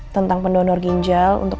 tentang pendonor ginjal untuk